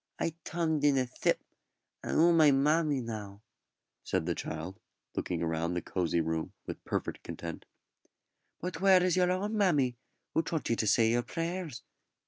"I tomed in a s'ip, and 'ou my mammy now," said the child, looking round the cosy room with perfect content. "But where is your own mammy, who taught you to say your prayers?"